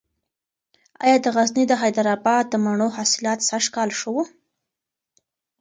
ایا د غزني د حیدر اباد د مڼو حاصلات سږکال ښه و؟